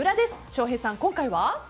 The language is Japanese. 翔平さん、今回は？